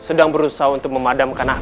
sedang berusaha untuk memadamkan api